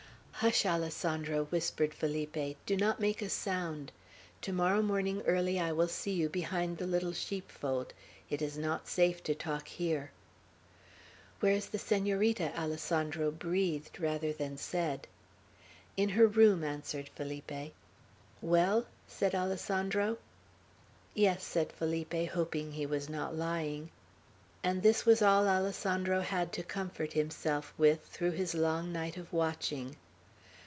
"Hush, Alessandro," whispered Felipe. "Do not make a sound. To morrow morning early I will see you, behind the little sheepfold. It is not safe to talk here." "Where is the Senorita?" Alessandro breathed rather than said. "In her room," answered Felipe. "Well?" said Alessandro. "Yes," said Felipe, hoping he was not lying; and this was all Alessandro had to comfort himself with, through his long night of watching.